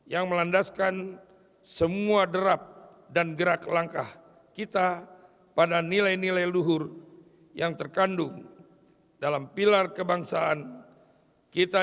yang melandaskan semua derap dan gerak langkah kita pada nilai nilai luhur yang terkandung dalam pilar kebangsaan kita